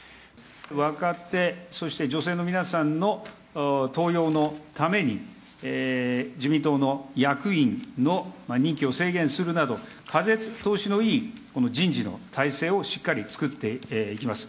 若手、そして女性の皆さんの登用のために、自民党の役員の任期を制限するなど、風通しのいい人事の体制をしっかり作っていきます。